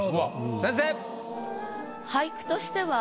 先生！